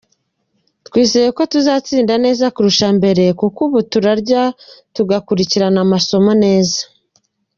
Twizeye ko tuzatsinda neza kurusha mbere kuko ubu turarya tugakurikira amasomo neza”.